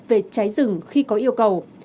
về cháy rừng khi có yêu cầu